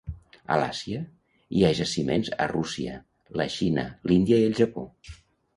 A l'Àsia hi ha jaciments a Rússia, la Xina, l'Índia i el Japó.